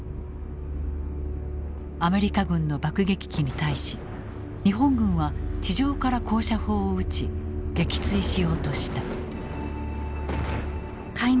アメリカ軍の爆撃機に対し日本軍は地上から高射砲を撃ち撃墜しようとした。